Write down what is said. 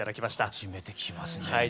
初めてききますね。